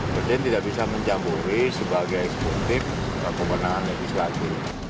presiden tidak bisa mencampuri sebagai ekspektif kemenangan yang diselaku